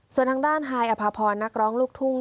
ส่วนทางด้านฮายอภพรนักร้องลูกทุ่ง